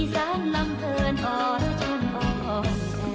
อีซะล้ำเขินอร่อยชนเลย